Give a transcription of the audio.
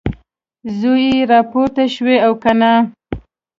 زوی یې راپورته شوی او که نه؟